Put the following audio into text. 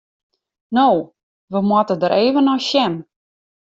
No, we moatte der even nei sjen.